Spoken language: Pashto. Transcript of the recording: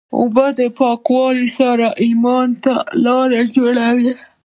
اوبه د پاکوالي سره ایمان ته لاره جوړوي.